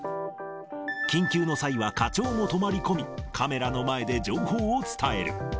緊急の際は課長も泊まり込み、カメラの前で情報を伝える。